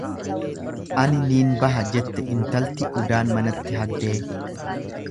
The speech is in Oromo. Ani niin baha jette intalti udaan manatti hagdee.